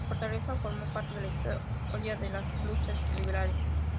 La fortaleza formó parte de la historia de las Luchas Liberales.